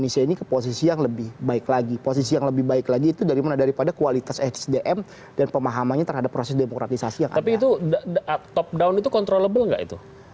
soalnya nyebut nama nanti